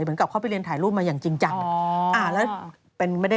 เหมือนกับเข้าไปเรียนถ่ายรูปมาอย่างจริงจัง